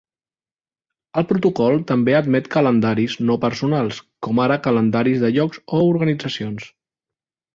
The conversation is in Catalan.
El protocol també admet calendaris no personals, com ara calendaris de llocs o organitzacions.